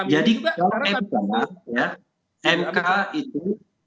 jadi kalau mk itu